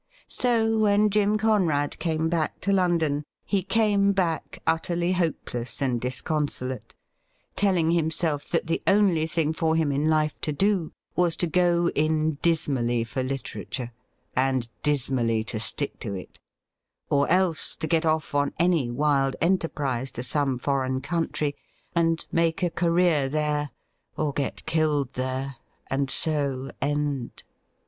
So when Jim Conrad came back to London, he came back utterly hopeless and disconsolate, telling himself that the only thing for him in life to do was to go in dismally for literature, and dismally to stick to it, or else to get off" on any wild enterprise to some foreign country, and make a career there, or get killed there — and so end.